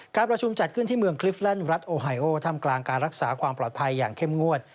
การประชุมจัดขึ้นที่เมืองคลิฟแลนด์รัฐโอไฮโอทำกลางการรักษาความปลอดภัยอย่างเข้มงวด